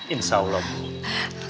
insya allah bu